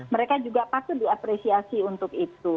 mereka juga patut diapresiasi untuk itu